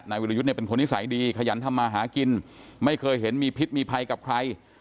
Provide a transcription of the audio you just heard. วิรยุทธ์เนี่ยเป็นคนนิสัยดีขยันทำมาหากินไม่เคยเห็นมีพิษมีภัยกับใคร